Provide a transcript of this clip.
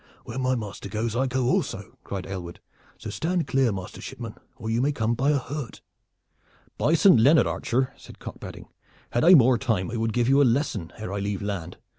"Where my master goes I go also," cried Aylward, "so stand clear, master shipman, or you may come by a hurt." "By Saint Leonard! archer," said Cock Badding, "had I more time I would give you a lesson ere I leave land.